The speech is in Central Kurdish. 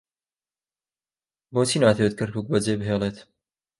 بۆچی ناتەوێت کەرکووک بەجێبهێڵێت؟